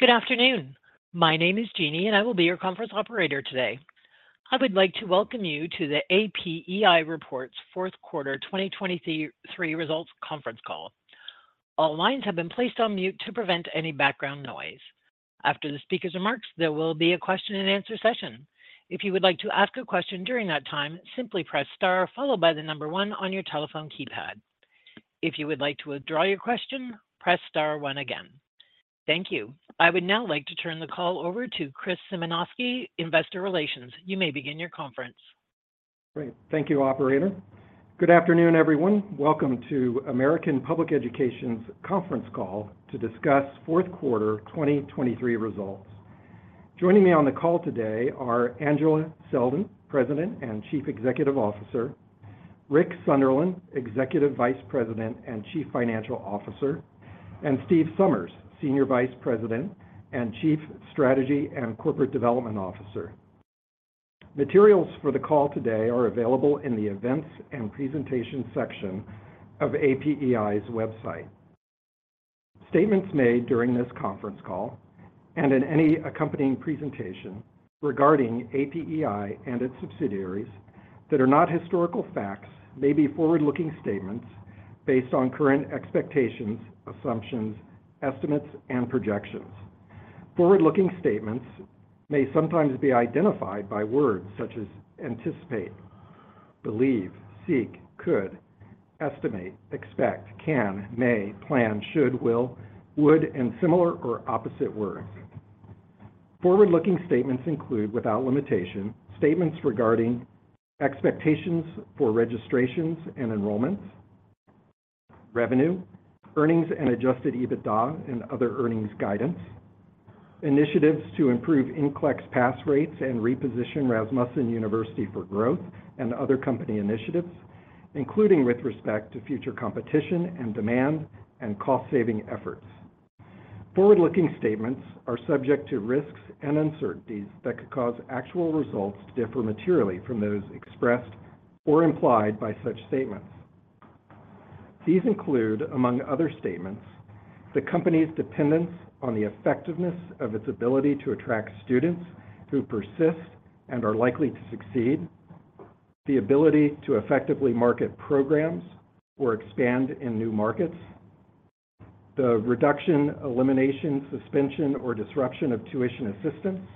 Good afternoon. My name is Jeannie, and I will be your conference operator today. I would like to welcome you to the APEI Reports 4th Quarter 2023 Results Conference Call. All lines have been placed on mute to prevent any background noise. After the speaker's remarks, there will be a question-and-answer session. If you would like to ask a question during that time, simply press * followed by the number 1 on your telephone keypad. If you would like to withdraw your question, press * 1 again. Thank you. I would now like to turn the call over to Chris Symanoskie, Investor Relations. You may begin your conference. Great. Thank you, operator. Good afternoon, everyone. Welcome to American Public Education's conference call to discuss 4th Quarter 2023 results. Joining me on the call today are Angela Selden, President and Chief Executive Officer; Rick Sunderland, Executive Vice President and Chief Financial Officer; and Steve Somers, Senior Vice President and Chief Strategy and Corporate Development Officer. Materials for the call today are available in the Events and Presentations section of APEI's website. Statements made during this conference call and in any accompanying presentation regarding APEI and its subsidiaries that are not historical facts may be forward-looking statements based on current expectations, assumptions, estimates, and projections. Forward-looking statements may sometimes be identified by words such as anticipate, believe, seek, could, estimate, expect, can, may, plan, should, will, would, and similar or opposite words. Forward-looking statements include, without limitation, statements regarding expectations for registrations and enrollments, revenue, earnings and Adjusted EBITDA, and other earnings guidance, initiatives to improve NCLEX pass rates and reposition Rasmussen University for growth, and other company initiatives, including with respect to future competition and demand and cost-saving efforts. Forward-looking statements are subject to risks and uncertainties that could cause actual results to differ materially from those expressed or implied by such statements. These include, among other statements, the company's dependence on the effectiveness of its ability to attract students who persist and are likely to succeed, the ability to effectively market programs or expand in new markets, the reduction, elimination, suspension, or disruption of tuition assistance,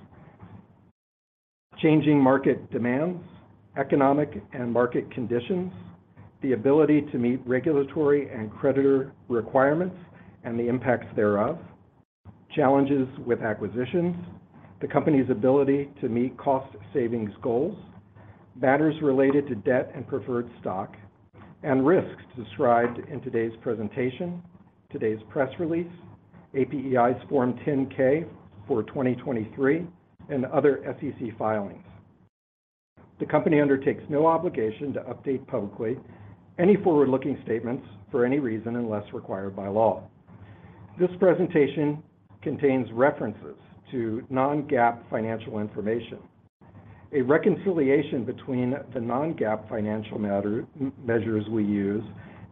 changing market demands, economic and market conditions, the ability to meet regulatory and creditor requirements and the impacts thereof, challenges with acquisitions, the company's ability to meet cost-savings goals, matters related to debt and preferred stock, and risks described in today's presentation, today's press release, APEI's Form 10-K for 2023, and other SEC filings. The company undertakes no obligation to update publicly any forward-looking statements for any reason unless required by law. This presentation contains references to non-GAAP financial information. A reconciliation between the non-GAAP financial measures we use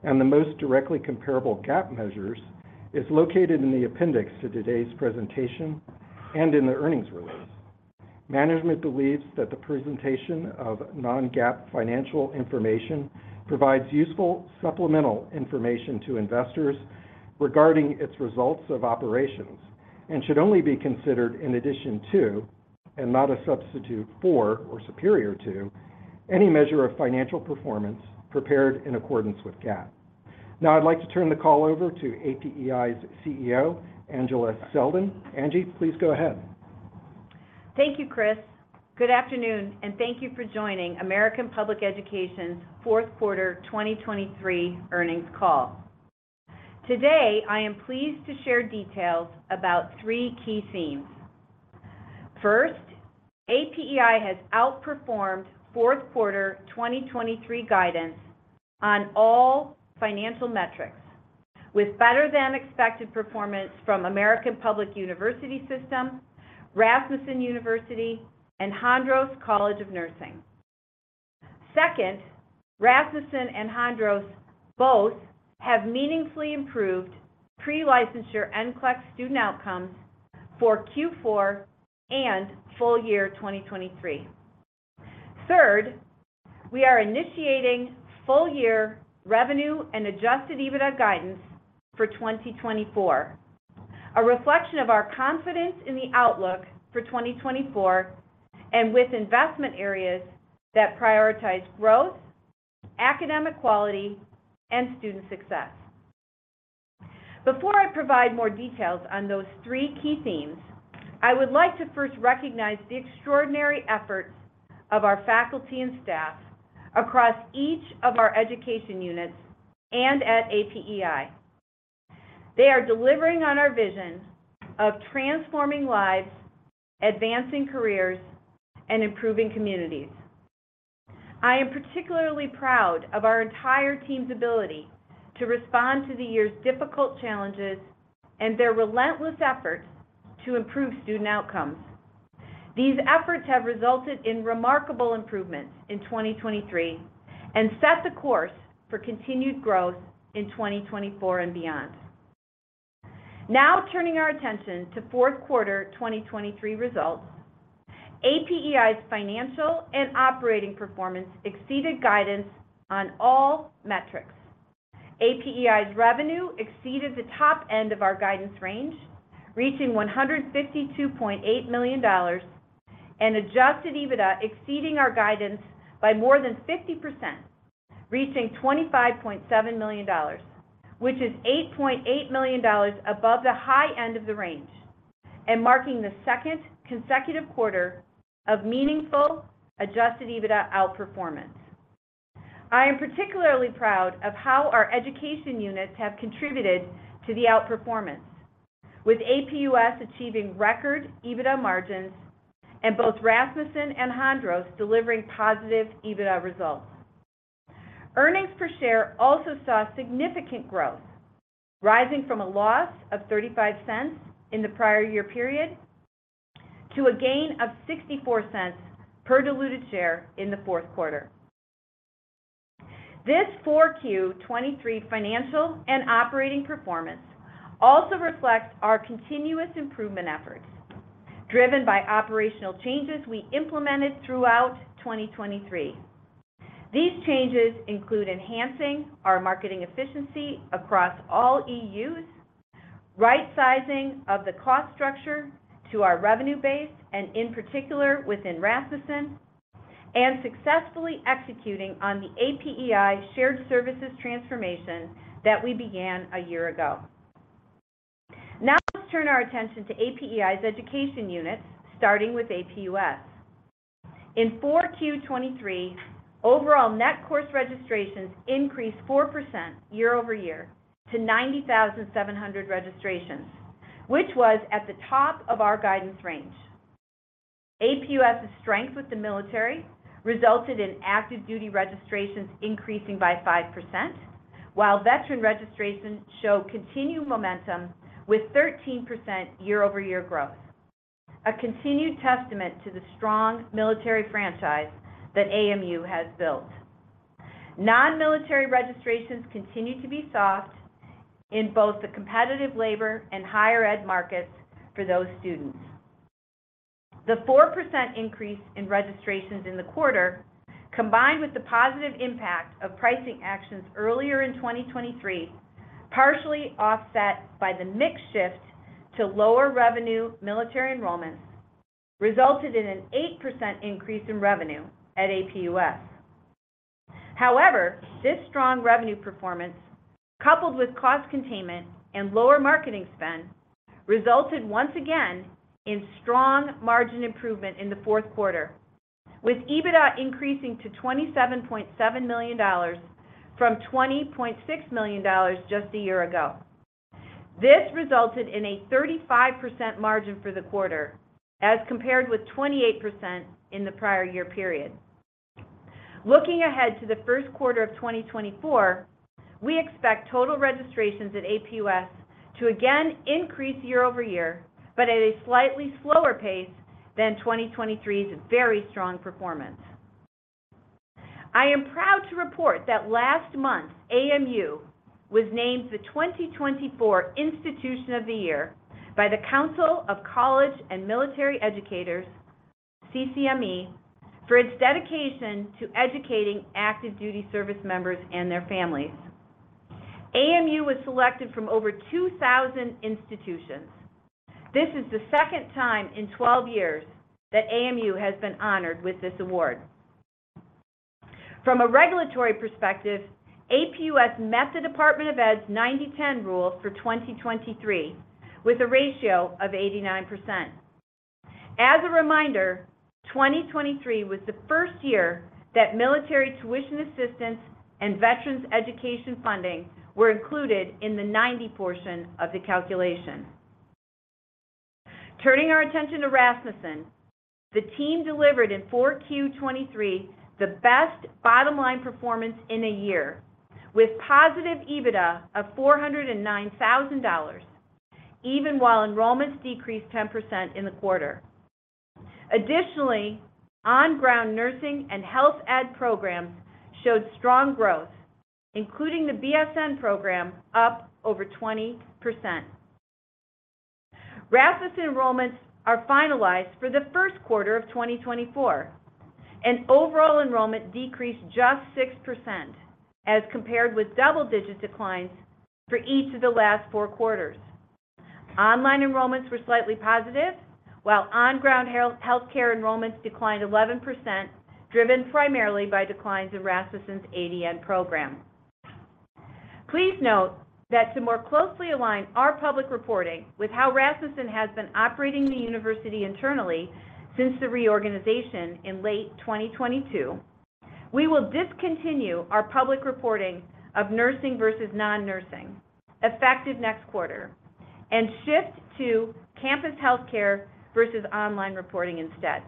and the most directly comparable GAAP measures is located in the appendix to today's presentation and in the earnings release. Management believes that the presentation of non-GAAP financial information provides useful supplemental information to investors regarding its results of operations and should only be considered in addition to, and not a substitute for or superior to, any measure of financial performance prepared in accordance with GAAP. Now, I'd like to turn the call over to APEI's CEO, Angela Selden. Angie, please go ahead. Thank you, Chris. Good afternoon, and thank you for joining American Public Education's 4th Quarter 2023 earnings call. Today, I am pleased to share details about three key themes. First, APEI has outperformed 4th Quarter 2023 guidance on all financial metrics, with better-than-expected performance from American Public University System, Rasmussen University, and Hondros College of Nursing. Second, Rasmussen and Hondros both have meaningfully improved pre-licensure NCLEX student outcomes for Q4 and full year 2023. Third, we are initiating full-year revenue and Adjusted EBITDA guidance for 2024, a reflection of our confidence in the outlook for 2024 and with investment areas that prioritize growth, academic quality, and student success. Before I provide more details on those three key themes, I would like to first recognize the extraordinary efforts of our faculty and staff across each of our education units and at APEI. They are delivering on our vision of transforming lives, advancing careers, and improving communities. I am particularly proud of our entire team's ability to respond to the year's difficult challenges and their relentless efforts to improve student outcomes. These efforts have resulted in remarkable improvements in 2023 and set the course for continued growth in 2024 and beyond. Now, turning our attention to 4th Quarter 2023 results, APEI's financial and operating performance exceeded guidance on all metrics. APEI's revenue exceeded the top end of our guidance range, reaching $152.8 million, and Adjusted EBITDA exceeding our guidance by more than 50%, reaching $25.7 million, which is $8.8 million above the high end of the range and marking the second consecutive quarter of meaningful Adjusted EBITDA outperformance. I am particularly proud of how our education units have contributed to the outperformance, with APUS achieving record EBITDA margins and both Rasmussen and Hondros delivering positive EBITDA results. Earnings per share also saw significant growth, rising from a loss of $0.35 in the prior year period to a gain of $0.64 per diluted share in the 4th quarter. This 4Q23 financial and operating performance also reflects our continuous improvement efforts driven by operational changes we implemented throughout 2023. These changes include enhancing our marketing efficiency across all EUs, right-sizing of the cost structure to our revenue-based and, in particular, within Rasmussen, and successfully executing on the APEI shared services transformation that we began a year ago. Now, let's turn our attention to APEI's education units, starting with APUS. In 4Q23, overall net course registrations increased 4% year-over-year to 90,700 registrations, which was at the top of our guidance range. APUS's strength with the military resulted in active duty registrations increasing by 5%, while veteran registration showed continued momentum with 13% year-over-year growth, a continued testament to the strong military franchise that AMU has built. Non-military registrations continue to be soft in both the competitive labor and higher ed markets for those students. The 4% increase in registrations in the quarter, combined with the positive impact of pricing actions earlier in 2023, partially offset by the mixed shift to lower revenue military enrollments, resulted in an 8% increase in revenue at APUS. However, this strong revenue performance, coupled with cost containment and lower marketing spend, resulted once again in strong margin improvement in the 4th quarter, with EBITDA increasing to $27.7 million from $20.6 million just a year ago. This resulted in a 35% margin for the quarter as compared with 28% in the prior year period. Looking ahead to the 1st quarter of 2024, we expect total registrations at APUS to again increase year-over-year, but at a slightly slower pace than 2023's very strong performance. I am proud to report that last month, AMU was named the 2024 Institution of the Year by the Council of College and Military Educators, CCME, for its dedication to educating active duty service members and their families. AMU was selected from over 2,000 institutions. This is the second time in 12 years that AMU has been honored with this award. From a regulatory perspective, APUS met the Department of Ed's 90/10 Rule for 2023 with a ratio of 89%. As a reminder, 2023 was the first year that military tuition assistance and veterans' education funding were included in the 90 portion of the calculation. Turning our attention to Rasmussen, the team delivered in 4Q23 the best bottom-line performance in a year, with positive EBITDA of $409,000, even while enrollments decreased 10% in the quarter. Additionally, on-ground nursing and health ed programs showed strong growth, including the BSN program, up over 20%. Rasmussen enrollments are finalized for the 1st quarter of 2024, and overall enrollment decreased just 6% as compared with double-digit declines for each of the last four quarters. Online enrollments were slightly positive, while on-ground health care enrollments declined 11%, driven primarily by declines in Rasmussen's ADN program. Please note that to more closely align our public reporting with how Rasmussen has been operating the university internally since the reorganization in late 2022, we will discontinue our public reporting of nursing versus non-nursing effective next quarter and shift to campus health care versus online reporting instead.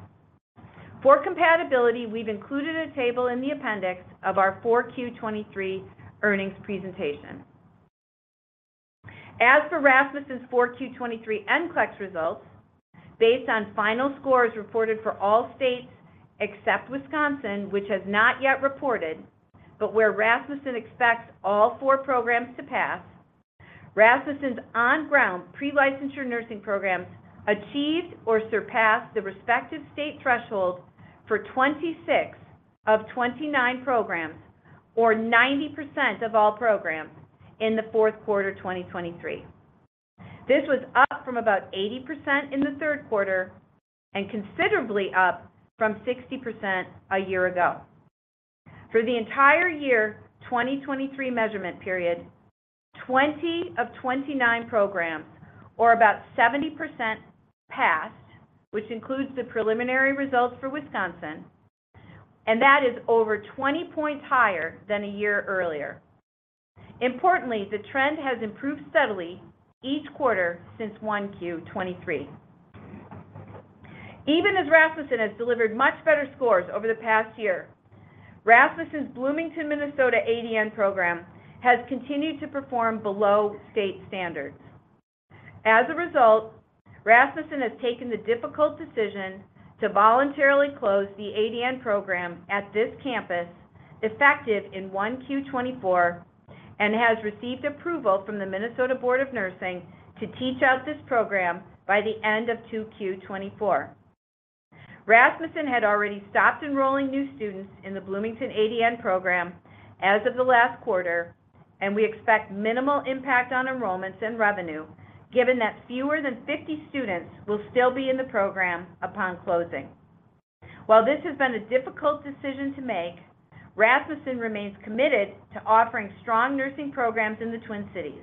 For compatibility, we've included a table in the appendix of our 4Q23 earnings presentation. As for Rasmussen's 4Q23 NCLEX results, based on final scores reported for all states except Wisconsin, which has not yet reported but where Rasmussen expects all four programs to pass, Rasmussen's on-ground pre-licensure nursing programs achieved or surpassed the respective state threshold for 26 of 29 programs, or 90% of all programs, in the 4th quarter 2023. This was up from about 80% in the 3rd quarter and considerably up from 60% a year ago. For the entire year 2023 measurement period, 20 of 29 programs, or about 70%, passed, which includes the preliminary results for Wisconsin, and that is over 20 points higher than a year earlier. Importantly, the trend has improved steadily each quarter since 1Q23. Even as Rasmussen has delivered much better scores over the past year, Rasmussen's Bloomington, Minnesota ADN program has continued to perform below state standards. As a result, Rasmussen has taken the difficult decision to voluntarily close the ADN program at this campus, effective in 1Q24, and has received approval from the Minnesota Board of Nursing to teach out this program by the end of 2Q24. Rasmussen had already stopped enrolling new students in the Bloomington ADN program as of the last quarter, and we expect minimal impact on enrollments and revenue given that fewer than 50 students will still be in the program upon closing. While this has been a difficult decision to make, Rasmussen remains committed to offering strong nursing programs in the Twin Cities.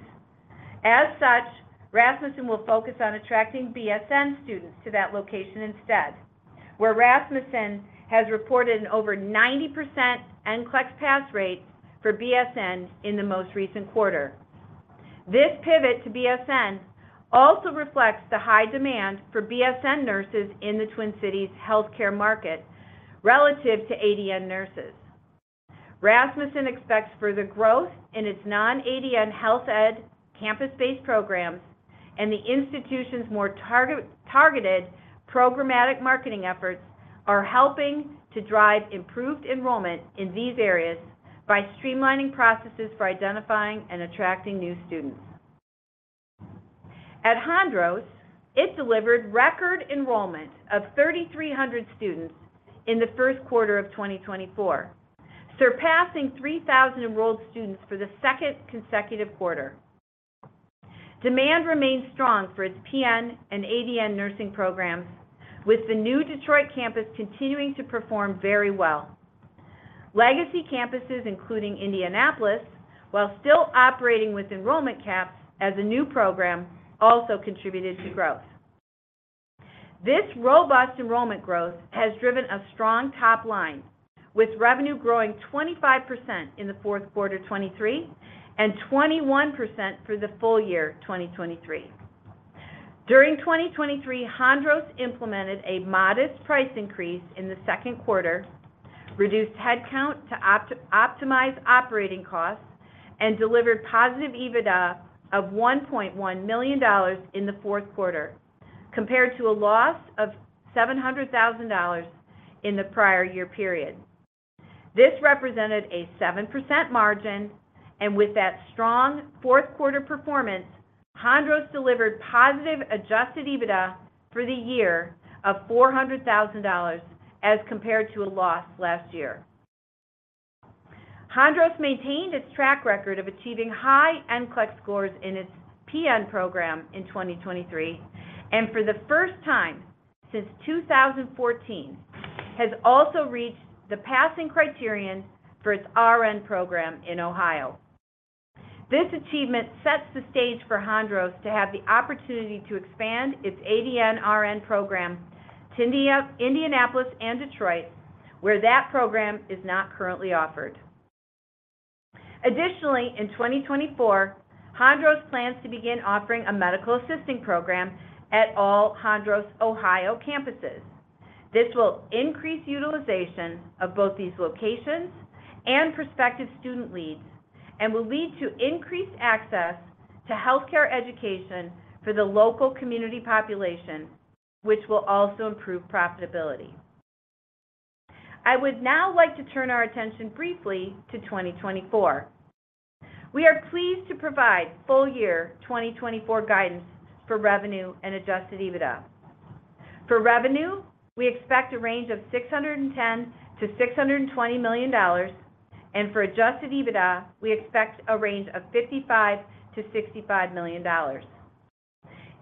As such, Rasmussen will focus on attracting BSN students to that location instead, where Rasmussen has reported an over 90% NCLEX pass rate for BSN in the most recent quarter. This pivot to BSN also reflects the high demand for BSN nurses in the Twin Cities health care market relative to ADN nurses. Rasmussen expects further growth in its non-ADN health ed campus-based programs, and the institution's more targeted programmatic marketing efforts are helping to drive improved enrollment in these areas by streamlining processes for identifying and attracting new students. At Hondros, it delivered record enrollment of 3,300 students in the 1st quarter of 2024, surpassing 3,000 enrolled students for the second consecutive quarter. Demand remains strong for its PN and ADN nursing programs, with the new Detroit campus continuing to perform very well. Legacy campuses, including Indianapolis, while still operating with enrollment caps as a new program, also contributed to growth. This robust enrollment growth has driven a strong top line, with revenue growing 25% in the 4th quarter 2023 and 21% for the full year 2023. During 2023, Hondros implemented a modest price increase in the 2nd quarter, reduced headcount to optimize operating costs, and delivered positive EBITDA of $1.1 million in the 4th quarter, compared to a loss of $700,000 in the prior year period. This represented a 7% margin, and with that strong 4th quarter performance, Hondros delivered positive adjusted EBITDA for the year of $400,000 as compared to a loss last year. Hondros maintained its track record of achieving high NCLEX scores in its PN program in 2023 and, for the first time since 2014, has also reached the passing criterion for its RN program in Ohio. This achievement sets the stage for Hondros to have the opportunity to expand its ADN RN program to Indianapolis and Detroit, where that program is not currently offered. Additionally, in 2024, Hondros plans to begin offering a medical assisting program at all Hondros Ohio campuses. This will increase utilization of both these locations and prospective student leads and will lead to increased access to health care education for the local community population, which will also improve profitability. I would now like to turn our attention briefly to 2024. We are pleased to provide full-year 2024 guidance for revenue and adjusted EBITDA. For revenue, we expect a range of $610-$620 million, and for adjusted EBITDA, we expect a range of $55-$65 million.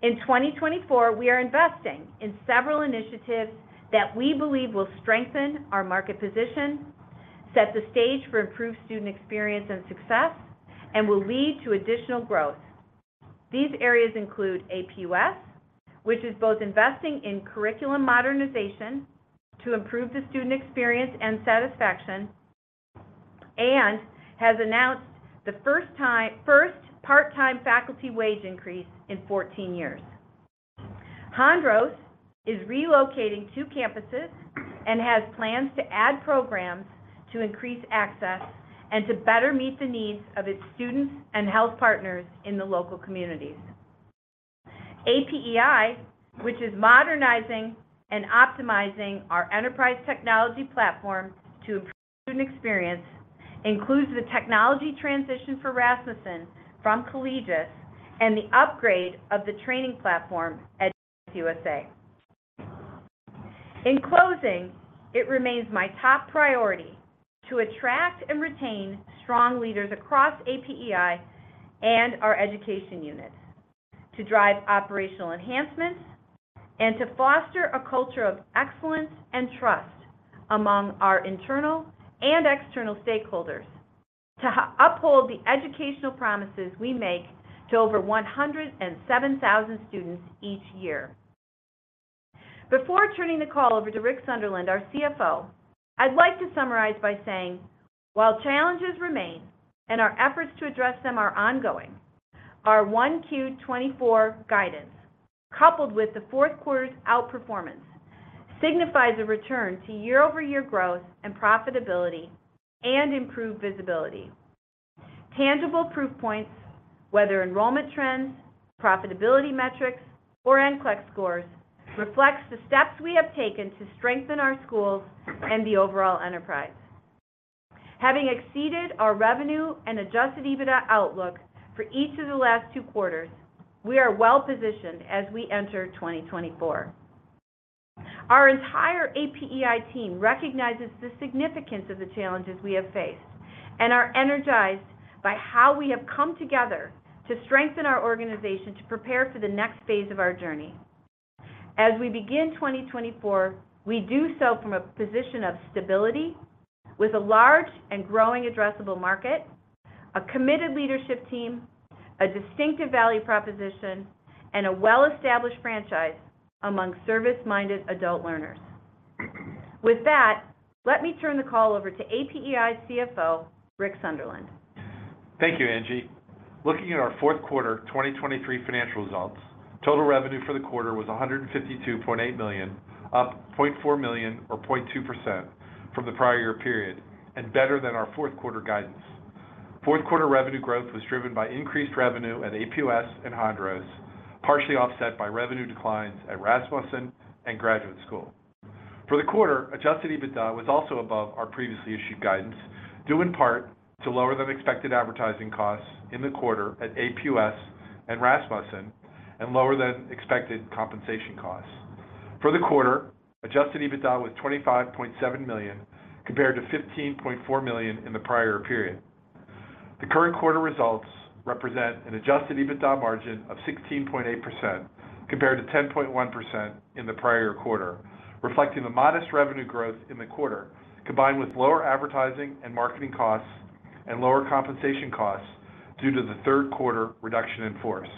In 2024, we are investing in several initiatives that we believe will strengthen our market position, set the stage for improved student experience and success, and will lead to additional growth. These areas include APUS, which is both investing in curriculum modernization to improve the student experience and satisfaction and has announced the first part-time faculty wage increase in 14 years. Hondros is relocating two campuses and has plans to add programs to increase access and to better meet the needs of its students and health partners in the local communities. APEI, which is modernizing and optimizing our enterprise technology platform to improve student experience, includes the technology transition for Rasmussen from Collegis and the upgrade of the training platform at USA. In closing, it remains my top priority to attract and retain strong leaders across APEI and our education units, to drive operational enhancements, and to foster a culture of excellence and trust among our internal and external stakeholders, to uphold the educational promises we make to over 107,000 students each year. Before turning the call over to Rick Sunderland, our CFO, I'd like to summarize by saying, while challenges remain and our efforts to address them are ongoing, our 1Q24 guidance, coupled with the 4th quarter's outperformance, signifies a return to year-over-year growth and profitability and improved visibility. Tangible proof points, whether enrollment trends, profitability metrics, or NCLEX scores, reflect the steps we have taken to strengthen our schools and the overall enterprise. Having exceeded our revenue and adjusted EBITDA outlook for each of the last two quarters, we are well-positioned as we enter 2024. Our entire APEI team recognizes the significance of the challenges we have faced and are energized by how we have come together to strengthen our organization to prepare for the next phase of our journey. As we begin 2024, we do so from a position of stability with a large and growing addressable market, a committed leadership team, a distinctive value proposition, and a well-established franchise among service-minded adult learners. With that, let me turn the call over to APEI CFO Rick Sunderland. Thank you, Angie. Looking at our 4th quarter 2023 financial results, total revenue for the quarter was $152.8 million, up $0.4 million or 0.2% from the prior year period and better than our 4th quarter guidance. 4th quarter revenue growth was driven by increased revenue at APUS and Hondros, partially offset by revenue declines at Rasmussen and Graduate School. For the quarter, Adjusted EBITDA was also above our previously issued guidance, due in part to lower-than-expected advertising costs in the quarter at APUS and Rasmussen and lower-than-expected compensation costs. For the quarter, Adjusted EBITDA was $25.7 million compared to $15.4 million in the prior period. The current quarter results represent an adjusted EBITDA margin of 16.8% compared to 10.1% in the prior year quarter, reflecting the modest revenue growth in the quarter combined with lower advertising and marketing costs and lower compensation costs due to the 3rd quarter reduction in force.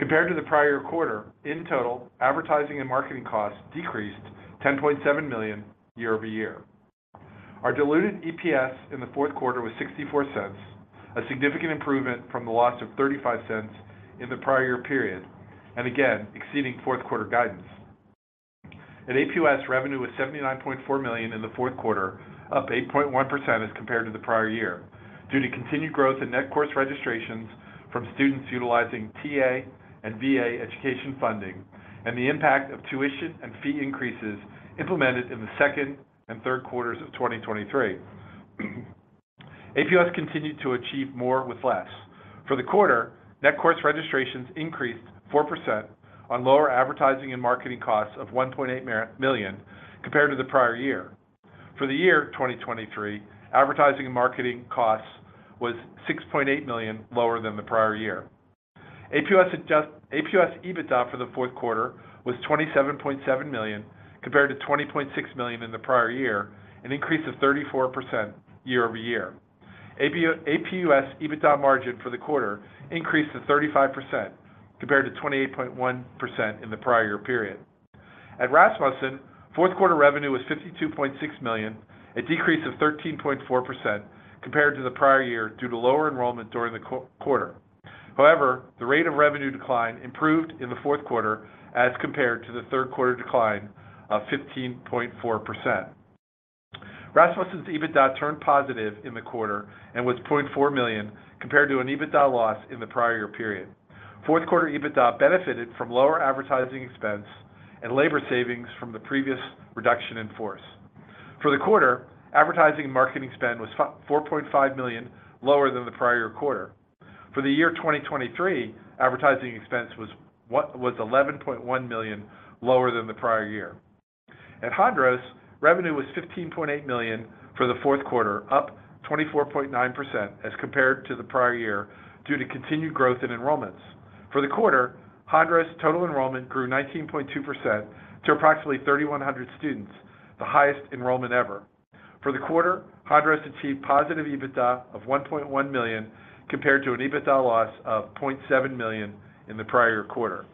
Compared to the prior year quarter, in total, advertising and marketing costs decreased $10.7 million year-over-year. Our diluted EPS in the 4th quarter was $0.64, a significant improvement from the loss of $0.35 in the prior year period and, again, exceeding 4th quarter guidance. At APUS, revenue was $79.4 million in the 4th quarter, up 8.1% as compared to the prior year due to continued growth in net course registrations from students utilizing TA and VA education funding and the impact of tuition and fee increases implemented in the 2nd and 3rd quarters of 2023. APUS continued to achieve more with less. For the quarter, net course registrations increased 4% on lower advertising and marketing costs of $1.8 million compared to the prior year. For the year 2023, advertising and marketing costs was $6.8 million lower than the prior year. APUS EBITDA for the 4th quarter was $27.7 million compared to $20.6 million in the prior year, an increase of 34% year-over-year. APUS EBITDA margin for the quarter increased to 35% compared to 28.1% in the prior year period. At Rasmussen, 4th quarter revenue was $52.6 million, a decrease of 13.4% compared to the prior year due to lower enrollment during the quarter. However, the rate of revenue decline improved in the 4th quarter as compared to the 3rd quarter decline of 15.4%. Rasmussen's EBITDA turned positive in the quarter and was $0.4 million compared to an EBITDA loss in the prior year period. 4th quarter EBITDA benefited from lower advertising expense and labor savings from the previous reduction in force. For the quarter, advertising and marketing spend was $4.5 million lower than the prior year quarter. For the year 2023, advertising expense was $11.1 million lower than the prior year. At Hondros, revenue was $15.8 million for the 4th quarter, up 24.9% as compared to the prior year due to continued growth in enrollments. For the quarter, Hondros total enrollment grew 19.2% to approximately 3,100 students, the highest enrollment ever. For the quarter, Hondros achieved positive EBITDA of $1.1 million compared to an EBITDA loss of $0.7 million in the prior year quarter.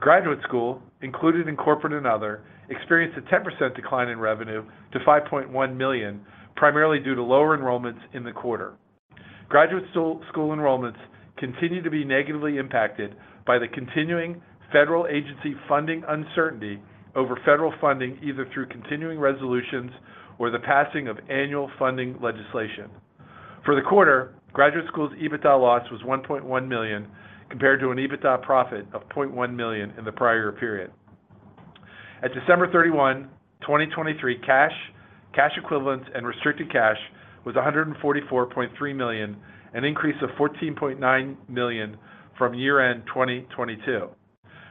Graduate School, included in Corporate and Other, experienced a 10% decline in revenue to $5.1 million, primarily due to lower enrollments in the quarter. Graduate School enrollments continue to be negatively impacted by the continuing federal agency funding uncertainty over federal funding either through continuing resolutions or the passing of annual funding legislation. For the quarter, Graduate School's EBITDA loss was $1.1 million compared to an EBITDA profit of $0.1 million in the prior year period. At December 31, 2023, cash equivalents and restricted cash was $144.3 million, an increase of $14.9 million from year-end 2022.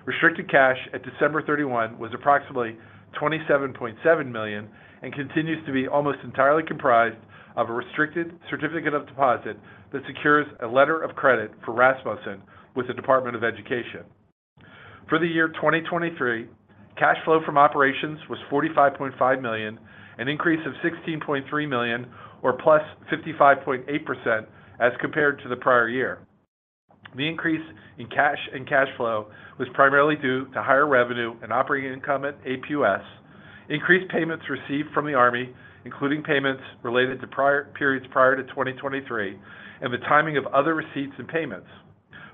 Restricted cash at December 31 was approximately $27.7 million and continues to be almost entirely comprised of a restricted certificate of deposit that secures a letter of credit for Rasmussen with the Department of Education. For the year 2023, cash flow from operations was $45.5 million, an increase of $16.3 million or +55.8% as compared to the prior year. The increase in cash and cash flow was primarily due to higher revenue and operating income at APUS, increased payments received from the Army, including payments related to periods prior to 2023, and the timing of other receipts and payments,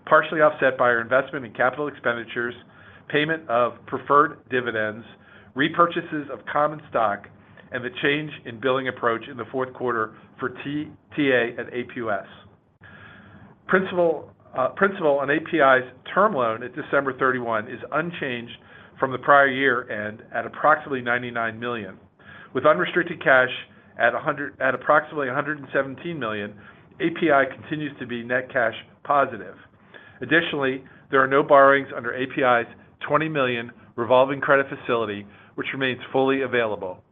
partially offset by our investment in capital expenditures, payment of preferred dividends, repurchases of common stock, and the change in billing approach in the 4th quarter for TA at APUS. Principal on APEI's term loan at December 31 is unchanged from the prior year end at approximately $99 million. With unrestricted cash at approximately $117 million, APEI continues to be net cash positive. Additionally, there are no borrowings under APEI's $20 million revolving credit facility, which remains fully available.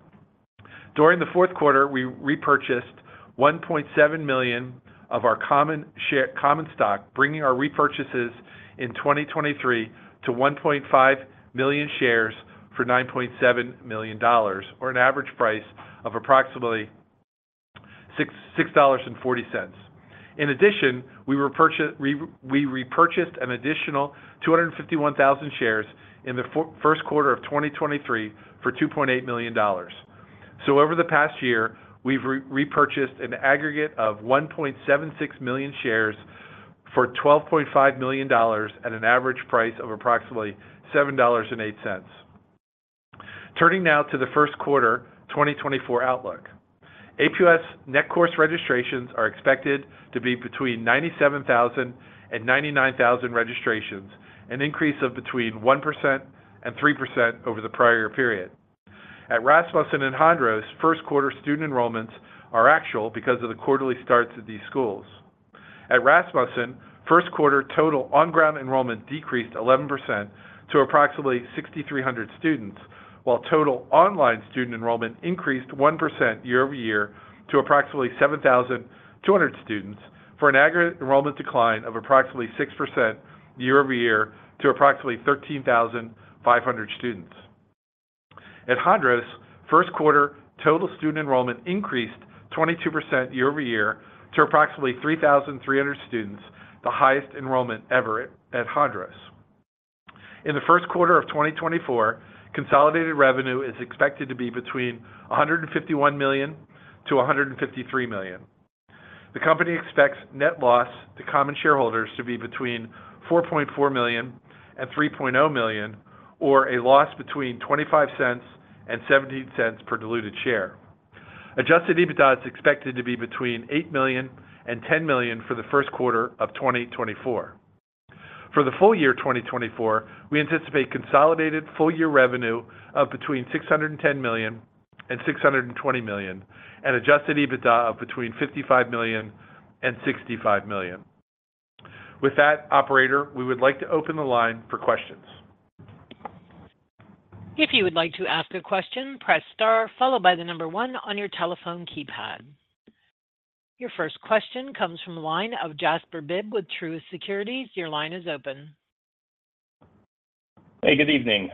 During the 4th quarter, we repurchased 1.7 million of our common stock, bringing our repurchases in 2023 to 1.5 million shares for $9.7 million, or an average price of approximately $6.40. In addition, we repurchased an additional 251,000 shares in the first quarter of 2023 for $2.8 million. So over the past year, we've repurchased an aggregate of 1.76 million shares for $12.5 million at an average price of approximately $7.08. Turning now to the first quarter 2024 outlook, APUS net course registrations are expected to be between 97,000 and 99,000 registrations, an increase of between 1% and 3% over the prior year period. At Rasmussen and Hondros, first quarter student enrollments are actual because of the quarterly starts at these schools. At Rasmussen, first quarter total on-ground enrollment decreased 11% to approximately 6,300 students, while total online student enrollment increased 1% year-over-year to approximately 7,200 students for an aggregate enrollment decline of approximately 6% year-over-year to approximately 13,500 students. At Hondros, 1st quarter total student enrollment increased 22% year-over-year to approximately 3,300 students, the highest enrollment ever at Hondros. In the 1st quarter of 2024, consolidated revenue is expected to be between $151 million-$153 million. The company expects net loss to common shareholders to be between $4.4 million and $3.0 million, or a loss between $0.25 and $0.17 per diluted share. Adjusted EBITDA is expected to be between $8 million and $10 million for the 1st quarter of 2024. For the full year 2024, we anticipate consolidated full year revenue of between $610 million and $620 million, and adjusted EBITDA of between $55 million and $65 million. With that, operator, we would like to open the line for questions. If you would like to ask a question, press * followed by the number 1 on your telephone keypad. Your first question comes from the line of Jasper Bibb with Truist Securities. Your line is open. Hey, good evening.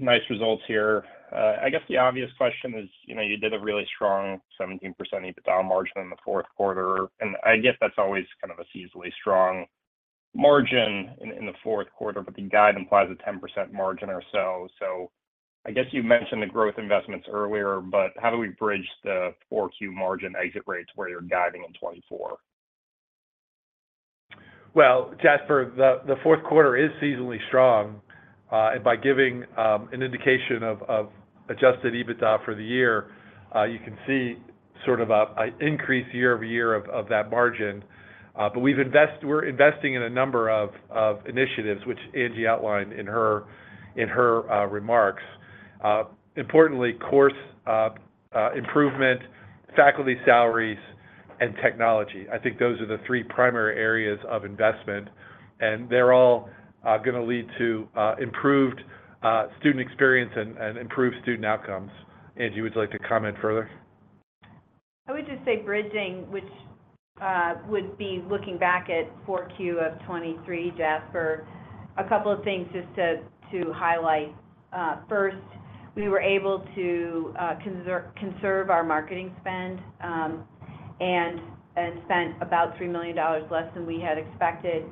Nice results here. I guess the obvious question is you did a really strong 17% EBITDA margin in the 4th quarter. And I guess that's always kind of a seasonally strong margin in the 4th quarter, but the guide implies a 10% margin or so. So I guess you mentioned the growth investments earlier, but how do we bridge the 4Q margin exit rates where you're guiding in 2024? Well, Jasper, the 4th quarter is seasonally strong. By giving an indication of Adjusted EBITDA for the year, you can see sort of an increase year-over-year of that margin. But we're investing in a number of initiatives, which Angie outlined in her remarks. Importantly, course improvement, faculty salaries, and technology. I think those are the three primary areas of investment. They're all going to lead to improved student experience and improved student outcomes. Angie, would you like to comment further? I would just say bridging, which would be looking back at 4Q of 2023, Jasper, a couple of things just to highlight. First, we were able to conserve our marketing spend and spent about $3 million less than we had expected.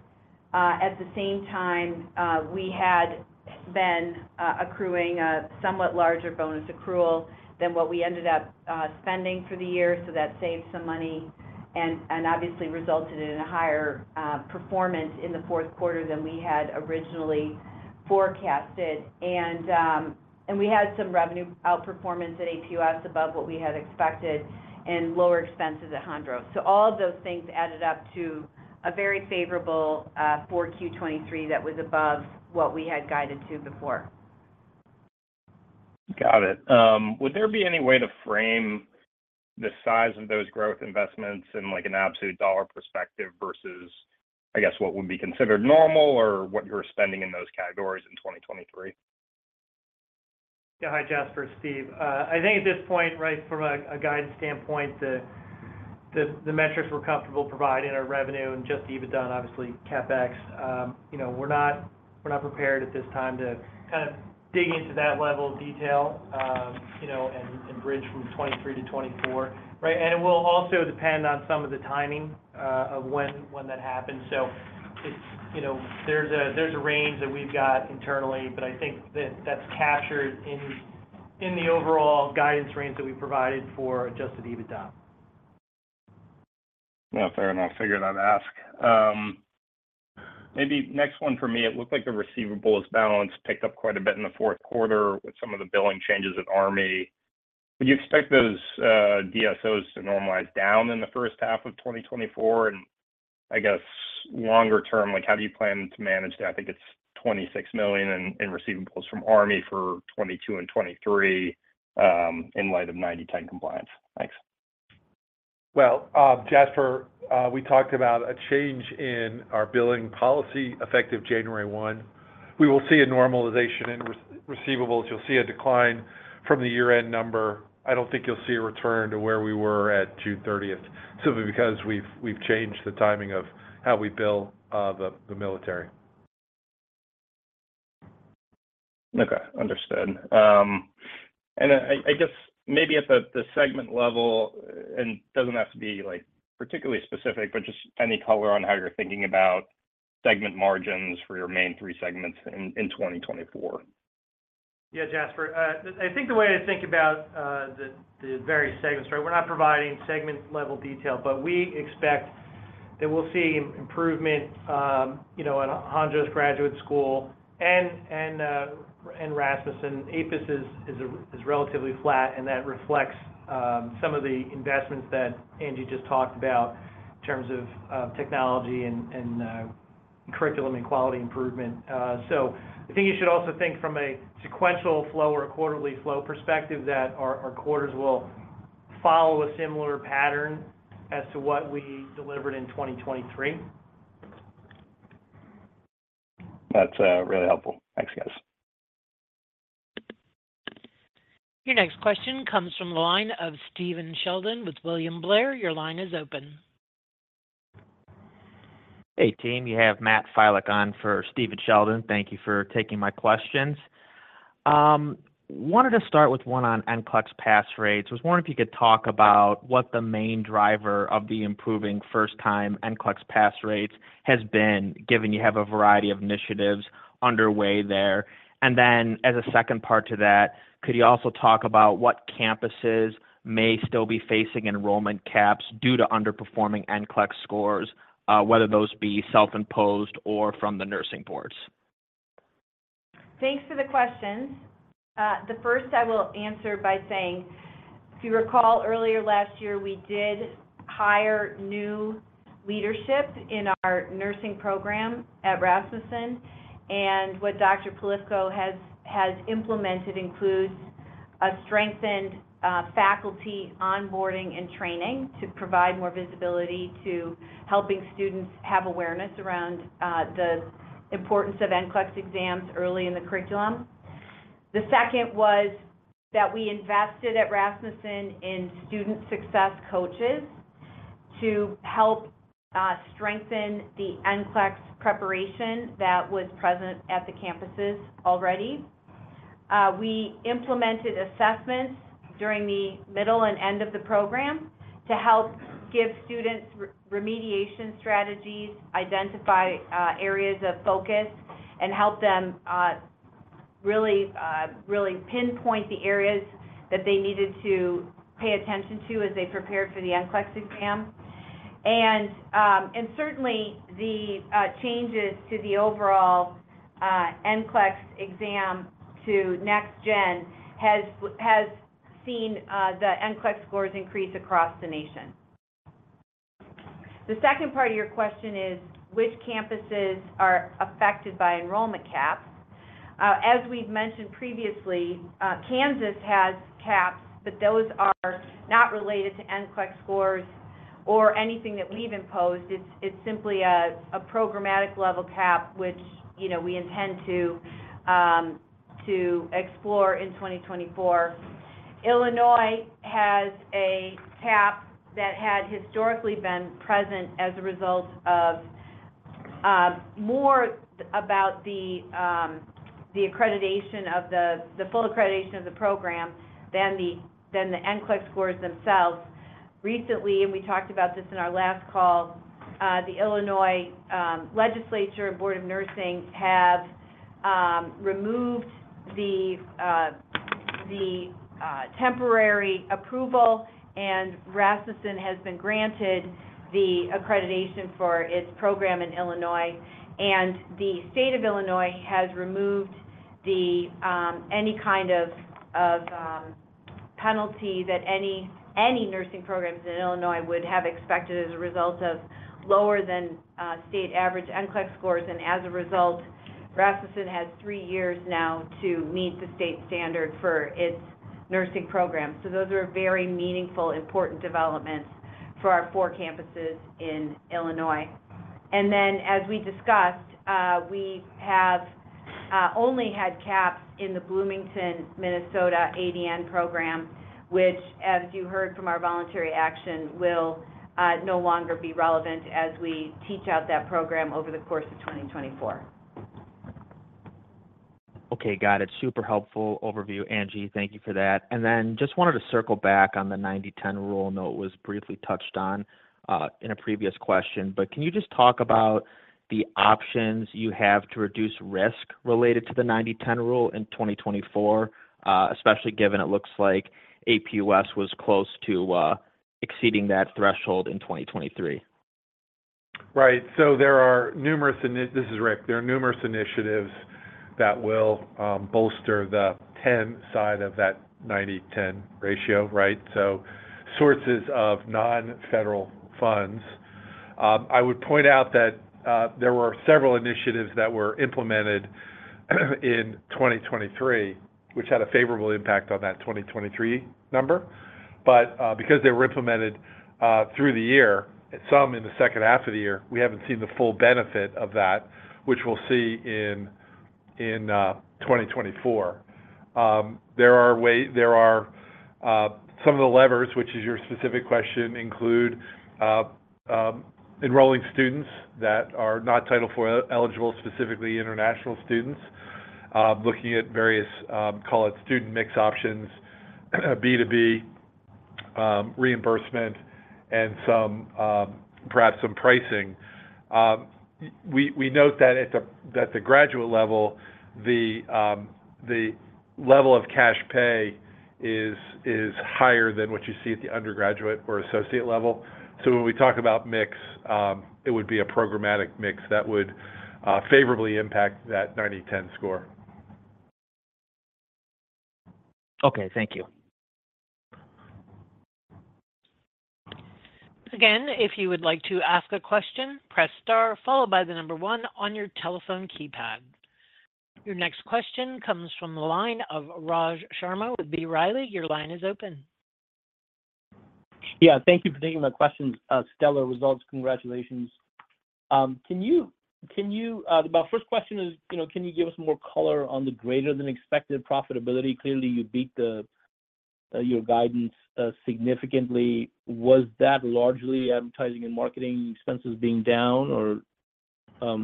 At the same time, we had been accruing a somewhat larger bonus accrual than what we ended up spending for the year. So that saved some money and obviously resulted in a higher performance in the 4th quarter than we had originally forecasted. And we had some revenue outperformance at APUS above what we had expected and lower expenses at Hondros. So all of those things added up to a very favorable 4Q 2023 that was above what we had guided to before. Got it. Would there be any way to frame the size of those growth investments in an absolute dollar perspective versus, I guess, what would be considered normal or what you were spending in those categories in 2023? Yeah. Hi, Jasper, Steve. I think at this point, right, from a guide standpoint, the metrics we're comfortable providing are revenue and just EBITDA and obviously CapEx. We're not prepared at this time to kind of dig into that level of detail and bridge from 2023 to 2024, right? It will also depend on some of the timing of when that happens. So there's a range that we've got internally, but I think that that's captured in the overall guidance range that we provided for adjusted EBITDA. Yeah. Fair enough. Forget that. Ask maybe next one for me. It looked like the receivables balance picked up quite a bit in the 4th quarter with some of the billing changes at Army. Would you expect those DSOs to normalize down in the first half of 2024? And I guess longer term, how do you plan to manage that? I think it's $26 million in receivables from Army for 2022 and 2023 in light of 90/10 compliance. Thanks. Well, Jasper, we talked about a change in our billing policy effective January 1. We will see a normalization in receivables. You'll see a decline from the year-end number. I don't think you'll see a return to where we were at June 30th simply because we've changed the timing of how we bill the military. Okay. Understood. And I guess maybe at the segment level and it doesn't have to be particularly specific, but just any color on how you're thinking about segment margins for your main three segments in 2024. Yeah, Jasper. I think the way I think about the various segments, right, we're not providing segment-level detail, but we expect that we'll see improvement at Hondros, Graduate School, and Rasmussen. APUS is relatively flat, and that reflects some of the investments that Angie just talked about in terms of technology and curriculum and quality improvement. So I think you should also think from a sequential flow or a quarterly flow perspective that our quarters will follow a similar pattern as to what we delivered in 2023. That's really helpful. Thanks, guys. Your next question comes from the line of Steven Sheldon with William Blair. Your line is open. Hey, team. You have Matt Filek on for Steven Sheldon. Thank you for taking my questions. Wanted to start with one on NCLEX pass rates. I was wondering if you could talk about what the main driver of the improving first-time NCLEX pass rates has been, given you have a variety of initiatives underway there. And then as a second part to that, could you also talk about what campuses may still be facing enrollment caps due to underperforming NCLEX scores, whether those be self-imposed or from the nursing boards? Thanks for the questions. The first I will answer by saying, if you recall, earlier last year, we did hire new leadership in our nursing program at Rasmussen. And what Dr. Polifko has implemented includes a strengthened faculty onboarding and training to provide more visibility to helping students have awareness around the importance of NCLEX exams early in the curriculum. The second was that we invested at Rasmussen in student success coaches to help strengthen the NCLEX preparation that was present at the campuses already. We implemented assessments during the middle and end of the program to help give students remediation strategies, identify areas of focus, and help them really pinpoint the areas that they needed to pay attention to as they prepared for the NCLEX exam. And certainly, the changes to the overall NCLEX exam to Next Gen have seen the NCLEX scores increase across the nation. The second part of your question is which campuses are affected by enrollment caps. As we've mentioned previously, Kansas has caps, but those are not related to NCLEX scores or anything that we've imposed. It's simply a programmatic-level cap, which we intend to explore in 2024. Illinois has a cap that had historically been present as a result of more about the full accreditation of the program than the NCLEX scores themselves. Recently, and we talked about this in our last call, the Illinois legislature and board of nursing have removed the temporary approval, and Rasmussen has been granted the accreditation for its program in Illinois. The state of Illinois has removed any kind of penalty that any nursing programs in Illinois would have expected as a result of lower than state average NCLEX scores. As a result, Rasmussen has three years now to meet the state standard for its nursing program. Those are very meaningful, important developments for our four campuses in Illinois. Then as we discussed, we have only had caps in the Bloomington, Minnesota ADN program, which, as you heard from our voluntary action, will no longer be relevant as we teach out that program over the course of 2024. Okay. Got it. Super helpful overview, Angie. Thank you for that. And then just wanted to circle back on the 90/10 rule. I know it was briefly touched on in a previous question, but can you just talk about the options you have to reduce risk related to the 90/10 rule in 2024, especially given it looks like APUS was close to exceeding that threshold in 2023? Right. So there are numerous, and this is Rick. There are numerous initiatives that will bolster the 10 side of that 90/10 ratio, right? So sources of non-federal funds. I would point out that there were several initiatives that were implemented in 2023, which had a favorable impact on that 2023 number. But because they were implemented through the year, some in the second half of the year, we haven't seen the full benefit of that, which we'll see in 2024. There are some of the levers, which is your specific question, include enrolling students that are not Title IV eligible, specifically international students, looking at various, call it, student mix options, B2B reimbursement, and perhaps some pricing. We note that at the graduate level, the level of cash pay is higher than what you see at the undergraduate or associate level. When we talk about mix, it would be a programmatic mix that would favorably impact that 90/10 score. Okay. Thank you. Again, if you would like to ask a question, press * followed by the number 1 on your telephone keypad. Your next question comes from the line of Raj Sharma with B. Riley. Your line is open. Yeah. Thank you for taking my questions. Stellar results. Congratulations. My first question is, can you give us more color on the greater-than-expected profitability? Clearly, you beat your guidance significantly. Was that largely advertising and marketing expenses being down, or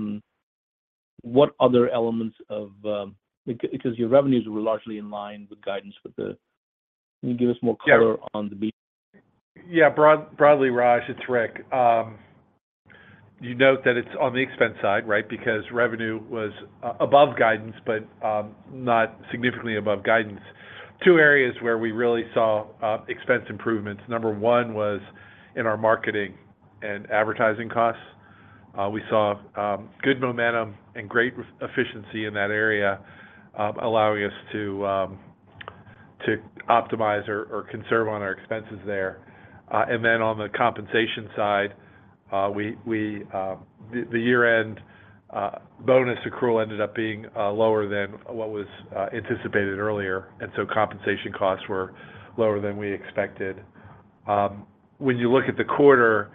what other elements, because your revenues were largely in line with guidance? With that, can you give us more color on the beat? Yeah. Broadly, Raj, it's Rick. You note that it's on the expense side, right, because revenue was above guidance but not significantly above guidance. Two areas where we really saw expense improvements. Number one was in our marketing and advertising costs. We saw good momentum and great efficiency in that area, allowing us to optimize or conserve on our expenses there. And then on the compensation side, the year-end bonus accrual ended up being lower than what was anticipated earlier. And so compensation costs were lower than we expected. When you look at the quarter,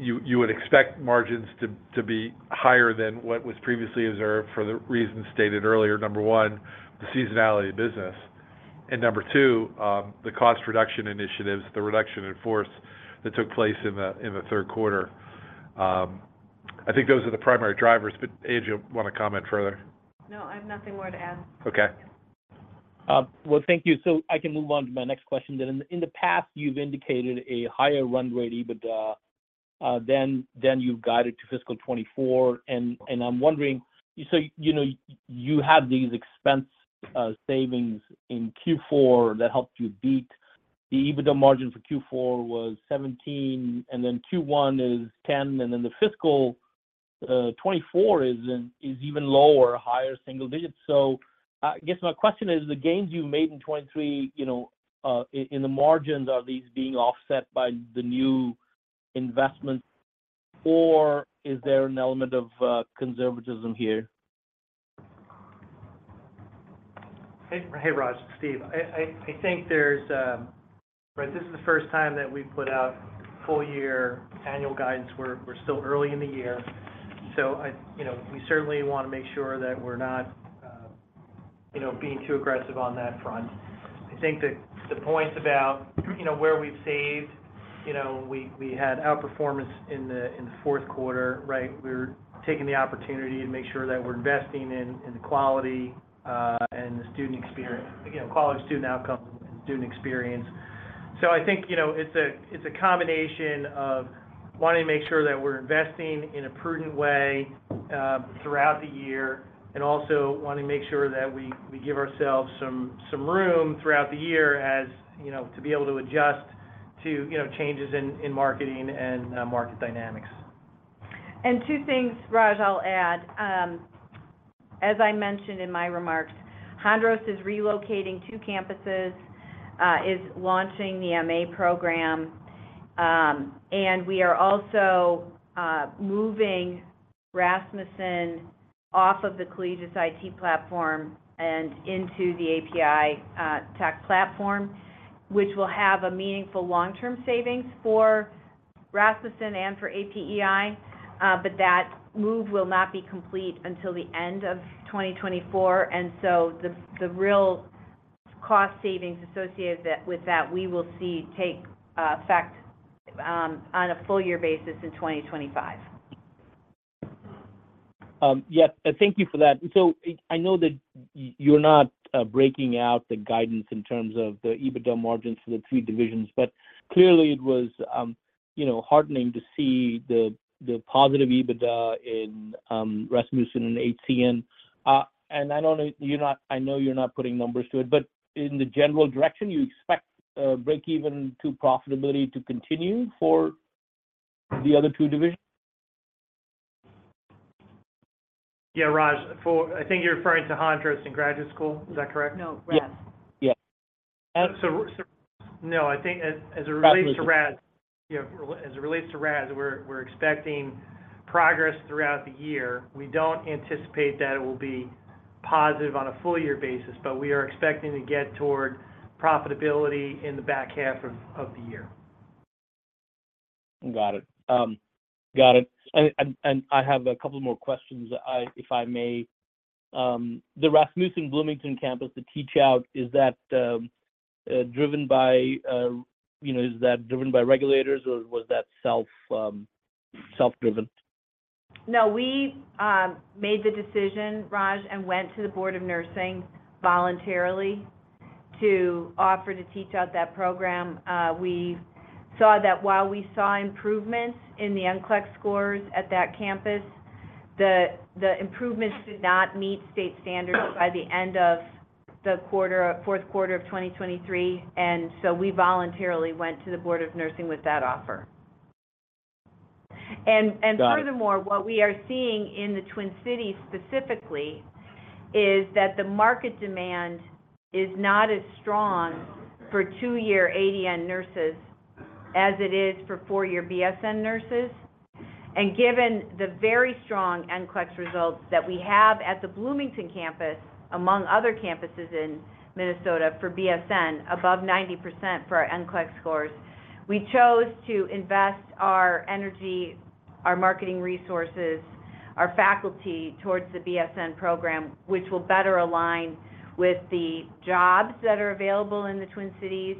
you would expect margins to be higher than what was previously observed for the reasons stated earlier. Number one, the seasonality of business. And number two, the cost reduction initiatives, the reduction in force that took place in the third quarter. I think those are the primary drivers, but Angie will want to comment further. No, I have nothing more to add. Okay. Well, thank you. So I can move on to my next question then. In the past, you've indicated a higher run rate EBITDA than you've guided to fiscal 2024. And I'm wondering, so you had these expense savings in Q4 that helped you beat. The EBITDA margin for Q4 was 17%, and then Q1 is 10%, and then the fiscal 2024 is even lower, higher single digits. So I guess my question is, the gains you've made in 2023, in the margins, are these being offset by the new investments, or is there an element of conservatism here? Hey, Raj, Steve. I think you're right, this is the first time that we've put out full-year annual guidance. We're still early in the year. So we certainly want to make sure that we're not being too aggressive on that front. I think the points about where we've saved, we had outperformance in the fourth quarter, right? We're taking the opportunity to make sure that we're investing in the quality and the student experience, quality of student outcomes and student experience. So I think it's a combination of wanting to make sure that we're investing in a prudent way throughout the year and also wanting to make sure that we give ourselves some room throughout the year to be able to adjust to changes in marketing and market dynamics. Two things, Raj, I'll add. As I mentioned in my remarks, Hondros is relocating 2 campuses, is launching the MA program, and we are also moving Rasmussen off of the Collegis IT Platform and into the APEI Tech Platform, which will have a meaningful long-term savings for Rasmussen and for APEI. But that move will not be complete until the end of 2024. And so the real cost savings associated with that, we will see take effect on a full-year basis in 2025. Yep. Thank you for that. So I know that you're not breaking out the guidance in terms of the EBITDA margins for the three divisions, but clearly, it was heartening to see the positive EBITDA in Rasmussen and HCN. And I know you're not I know you're not putting numbers to it, but in the general direction, you expect breakeven to profitability to continue for the other two divisions? Yeah, Raj. I think you're referring to Hondros and Graduate School. Is that correct? No. Yes. Yes. So, no. I think as it relates to Raj, as it relates to Raj, we're expecting progress throughout the year. We don't anticipate that it will be positive on a full-year basis, but we are expecting to get toward profitability in the back half of the year. Got it. Got it. And I have a couple more questions, if I may. The Rasmussen-Bloomington campus to teach out, is that driven by regulators, or was that self-driven? No, we made the decision, Raj, and went to the Board of Nursing voluntarily to offer to teach out that program. We saw that while we saw improvements in the NCLEX scores at that campus, the improvements did not meet state standards by the end of the fourth quarter of 2023. So we voluntarily went to the Board of Nursing with that offer. Furthermore, what we are seeing in the Twin Cities specifically is that the market demand is not as strong for two-year ADN nurses as it is for four-year BSN nurses. Given the very strong NCLEX results that we have at the Bloomington campus, among other campuses in Minnesota for BSN, above 90% for our NCLEX scores, we chose to invest our energy, our marketing resources, our faculty towards the BSN program, which will better align with the jobs that are available in the Twin Cities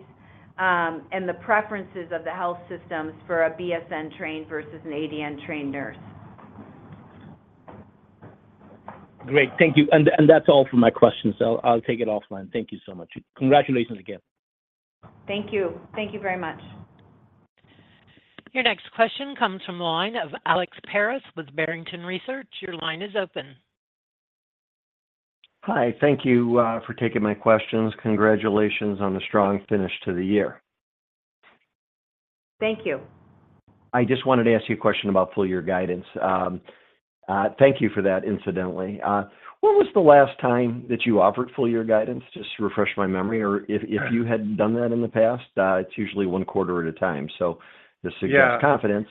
and the preferences of the health systems for a BSN-trained versus an ADN-trained nurse. Great. Thank you. That's all for my questions. I'll take it offline. Thank you so much. Congratulations again. Thank you. Thank you very much. Your next question comes from the line of Alex Paris with Barrington Research. Your line is open. Hi. Thank you for taking my questions. Congratulations on a strong finish to the year. Thank you. I just wanted to ask you a question about full-year guidance. Thank you for that, incidentally. When was the last time that you offered full-year guidance, just to refresh my memory? Or if you had done that in the past, it's usually one quarter at a time. So this suggests confidence,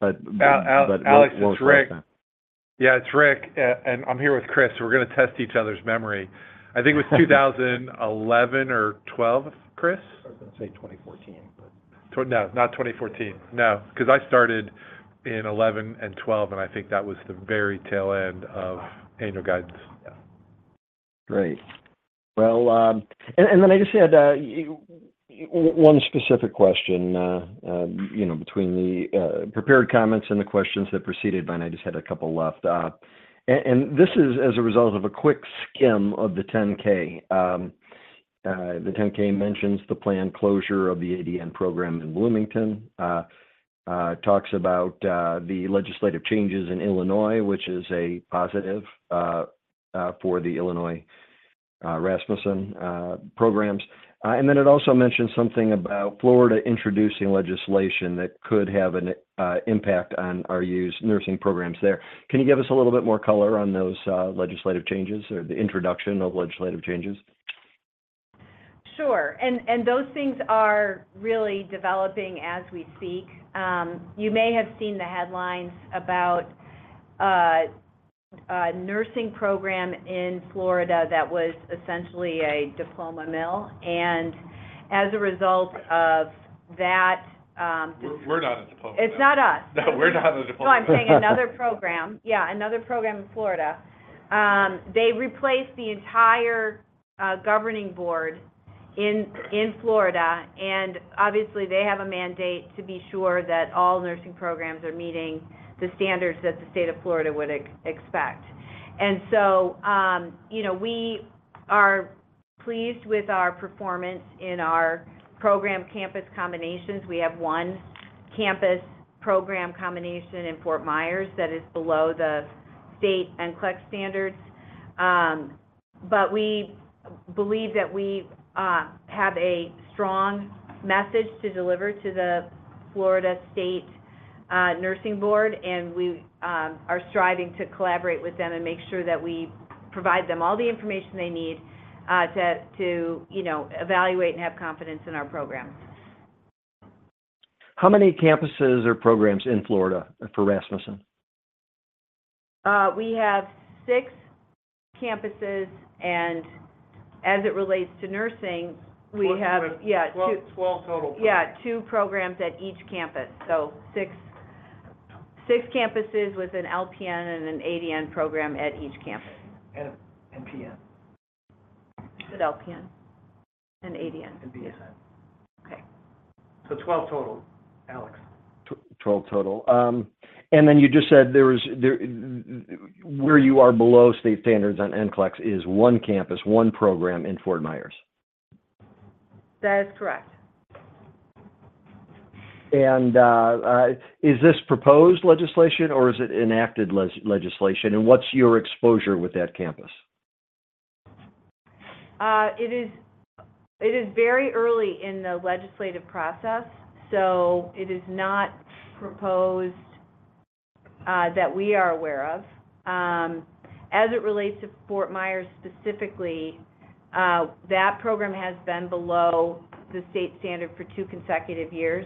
but we'll focus on that. Yeah. It's Rick. I'm here with Chris. We're going to test each other's memory. I think it was 2011 or 2012, Chris? I was going to say 2014, but. No, not 2014. No. Because I started in 2011 and 2012, and I think that was the very tail end of annual guidance. Great. Well, and then I just had one specific question between the prepared comments and the questions that preceded mine. I just had a couple left. And this is as a result of a quick skim of the 10-K. The 10-K mentions the planned closure of the ADN program in Bloomington, talks about the legislative changes in Illinois, which is a positive for the Illinois Rasmussen programs. And then it also mentions something about Florida introducing legislation that could have an impact on our nursing programs there. Can you give us a little bit more color on those legislative changes or the introduction of legislative changes? Sure. And those things are really developing as we speak. You may have seen the headlines about a nursing program in Florida that was essentially a diploma mill. And as a result of that. We're not a diploma mill. It's not us. No, we're not a diploma mill. No, I'm saying another program. Yeah, another program in Florida. They replaced the entire governing board in Florida. Obviously, they have a mandate to be sure that all nursing programs are meeting the standards that the state of Florida would expect. So we are pleased with our performance in our program-campus combinations. We have one campus-program combination in Fort Myers that is below the state NCLEX standards. But we believe that we have a strong message to deliver to the Florida State Nursing Board, and we are striving to collaborate with them and make sure that we provide them all the information they need to evaluate and have confidence in our programs. How many campuses or programs in Florida for Rasmussen? We have six campuses. As it relates to nursing, we have. 12 total programs. Yeah, two programs at each campus. So six campuses with an LPN and an ADN program at each campus. And PN? With LPN and ADN. And BSN? Yeah. Okay. So 12 total, Alex? 12 total. And then you just said where you are below state standards on NCLEX is one campus, one program in Fort Myers. That is correct. Is this proposed legislation, or is it enacted legislation? What's your exposure with that campus? It is very early in the legislative process, so it is not proposed that we are aware of. As it relates to Fort Myers specifically, that program has been below the state standard for two consecutive years.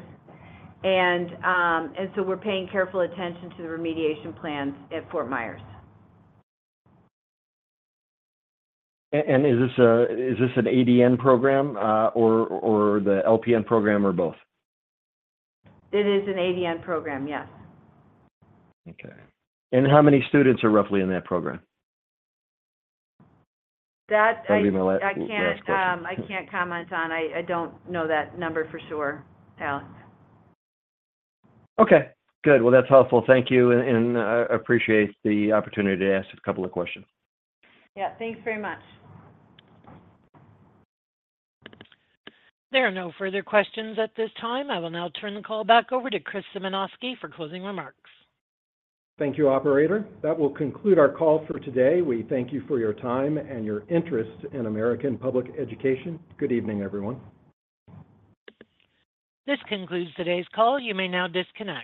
And so we're paying careful attention to the remediation plans at Fort Myers. Is this an ADN program or the LPN program or both? It is an ADN program, yes. Okay. How many students are roughly in that program? That'll be my last question. That I can't comment on. I don't know that number for sure, Alex. Okay. Good. Well, that's helpful. Thank you. I appreciate the opportunity to ask a couple of questions. Yeah. Thanks very much. There are no further questions at this time. I will now turn the call back over to Chris Symanoskie for closing remarks. Thank you, operator. That will conclude our call for today. We thank you for your time and your interest in American Public Education. Good evening, everyone. This concludes today's call. You may now disconnect.